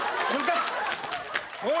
おい。